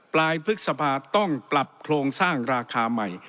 ปลายพฤษภาต้องปรับโครงสร้างราคาใหม่